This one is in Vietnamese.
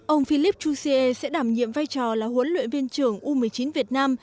ông philippe jouzier sẽ đảm nhiệm vai trò là huấn luyện viên trưởng u một mươi chín việt nam